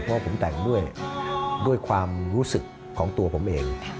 เพราะว่าผมแต่งด้วยความรู้สึกของตัวผมเอง